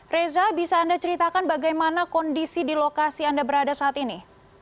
reza bisa anda ceritakan bagaimana kondisi di lokasi anda berada saat ini